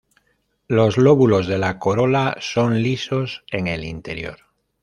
Los lóbulos de la corola son lisos en el interior.